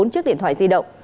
bốn chiếc điện thoại di động